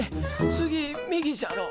次右じゃろ。